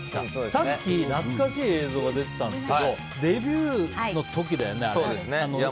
さっき、懐かしい映像が出ていたんですけどデビューの時だよね、あれ。